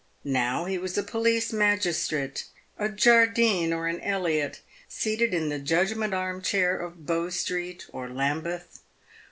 Now he was a police magistrate, a Jardine or an Elliott, seated in the judgment arm chair of Bow street, or Lambeth.